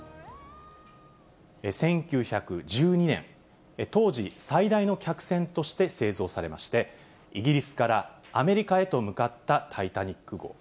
１９１２年、当時、最大の客船として製造されまして、イギリスからアメリカへと向かったタイタニック号。